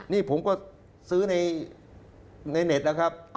นี่ผมก็ซื้อในเน็ตนะครับ